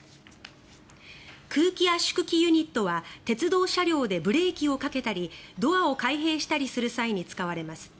空気圧縮機ユニットは鉄道車両でブレーキをかけたりドアを開閉したりする際に使われます。